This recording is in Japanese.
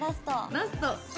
ラスト！